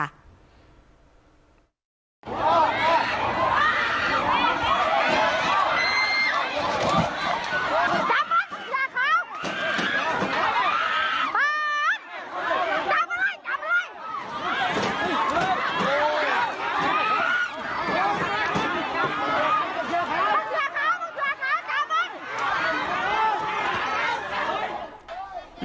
เอาไว้